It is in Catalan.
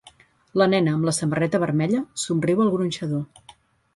La nena amb la samarreta vermella somriu al gronxador.